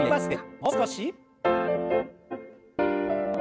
もう少し。